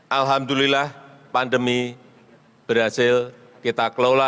alhamdulillah pandemi berhasil kita kelola